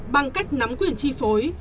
bằng cách nắm quyền chi phối